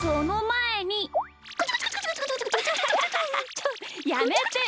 ちょっやめてよ。